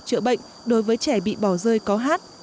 chữa bệnh đối với trẻ bị bỏ rơi có hát